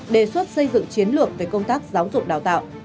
đề xuất xây dựng chiến lược về công tác giáo dục đào tạo